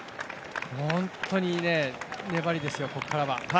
本当に粘りですよ、ここからは。